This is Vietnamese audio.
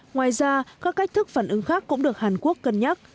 ngoài ra các cách thức phản ứng khác cũng được hàn quốc cân nhắc